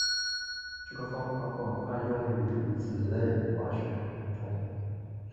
这个方法广泛用于甾类化学中。